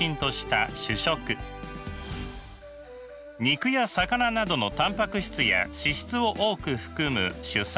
肉や魚などのタンパク質や脂質を多く含む主菜。